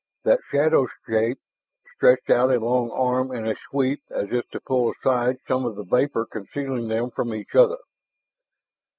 That shadow shape stretched out a long arm in a sweep as if to pull aside some of the vapor concealing them from each other.